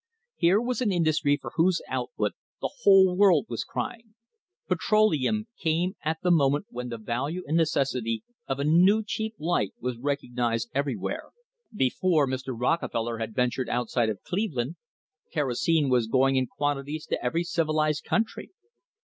Here was an industry for whose output the whole world was crying. Petroleum came at the moment when the value and necessity of a new, cheap light was recognised everywhere. Before Mr. Rockefeller had ventured outside of Cleveland kerosene was going in quantities to every civil ised country.